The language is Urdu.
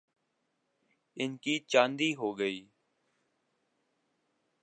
ان کی چاندی ہو گئی۔